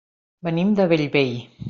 Venim de Bellvei.